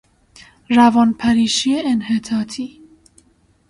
روان پریشی انحطاطی